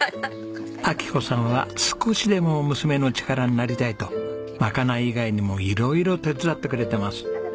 昭子さんは少しでも娘の力になりたいとまかない以外にも色々手伝ってくれてます。